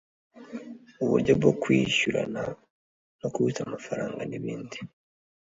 uburyo bwo kwishyurana no kubitsa amafaranga n’ibindi